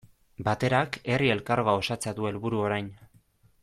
Baterak Herri Elkargoa osatzea du helburu orain.